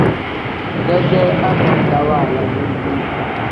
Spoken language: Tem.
Dedee akontaa waala deyi-deyi.